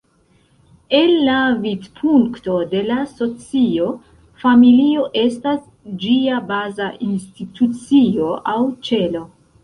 El la vidpunkto de la socio, familio estas ĝia baza institucio aŭ "ĉelo".